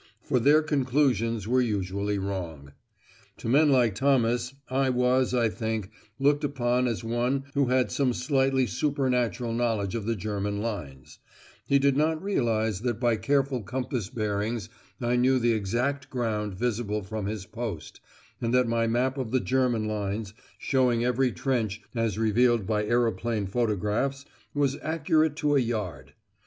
For their conclusions were usually wrong. To men like Thomas I was, I think, looked upon as one who had some slightly supernatural knowledge of the German lines; he did not realise that by careful compass bearings I knew the exact ground visible from his post, and that my map of the German lines, showing every trench as revealed by aeroplane photographs, was accurate to a yard.